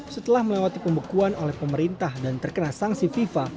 setelah melewati pembekuan oleh pemerintah dan terkena sanksi fifa